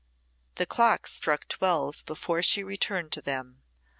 The clock struck twelve before she returned to them.